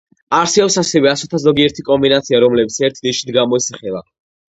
არსებობს ასევე ასოთა ზოგიერთი კომბინაცია, რომლებიც ერთი ნიშნით გამოისახება.